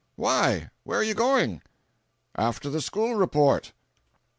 "Why? Where are you going?" "After the school report!"